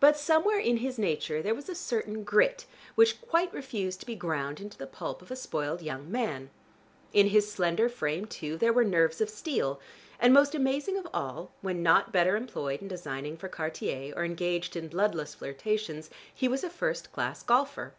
But somewhere in his nature there was a certain grit which quite refused to be ground into the pulp of a spoiled young man. In his slender frame, too, there were nerves of steel, and, most amazing of all, when not better employed in designing for Cartier, or engaged in bloodless flirtations, he was a first class golfer.